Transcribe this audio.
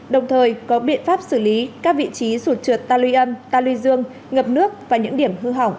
đồng thời có biện pháp xử lý các vị trí sụt trượt ta lưu dương ngập nước và những điểm hư hỏng gây mất an toàn giao thông